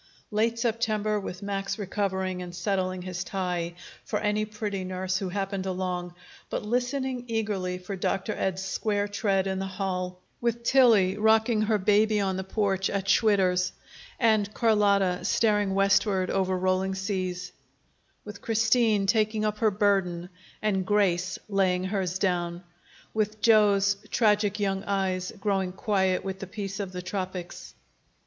Late September, with Max recovering and settling his tie for any pretty nurse who happened along, but listening eagerly for Dr. Ed's square tread in the hall; with Tillie rocking her baby on the porch at Schwitter's, and Carlotta staring westward over rolling seas; with Christine taking up her burden and Grace laying hers down; with Joe's tragic young eyes growing quiet with the peace of the tropics.